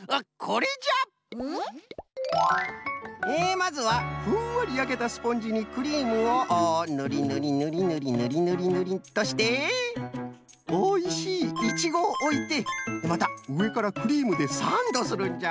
まずはふんわりやけたスポンジにクリームをぬりぬりぬりぬりっとしておいしいイチゴをおいてまたうえからクリームでサンドするんじゃ。